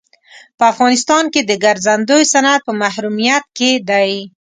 په افغانستان کې د ګرځندوی صنعت په محرومیت کې دی.